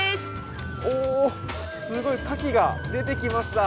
おー、すごい、かきが出てきました。